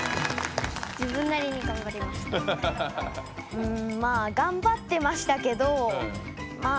うんまあがんばってましたけどまあ